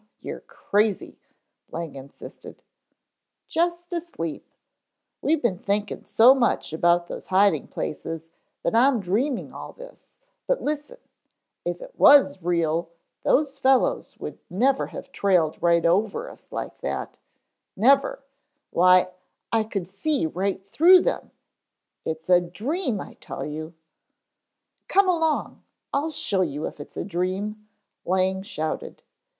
"Oh, you're crazy," Lang insisted. "Just asleep. We been thinkin' so much about those hiding places that I'm dreaming all this, but listen, if it was real those fellows would never have trailed right over us like that never why, I could see right through them it's a dream I tell you " "Come along, I'll show you if it's a dream," Lang shouted.